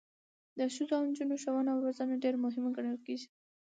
د ښځو او نجونو ښوونه او روزنه ډیره مهمه ګڼل کیږي.